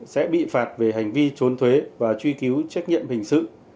sẽ bị phạt về hành vi trốn thuế và truy cứu trách nhiệm hình sự